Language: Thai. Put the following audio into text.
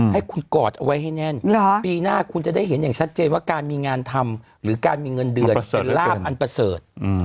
ให้คุณกอดเอาไว้ให้แน่นปีหน้าคุณจะได้เห็นอย่างชัดเจนว่าการมีงานทำหรือการมีเงินเดือนเป็นลาบอันประเสริฐ